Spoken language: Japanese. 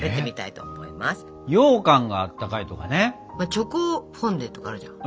チョコフォンデュとかあるじゃん。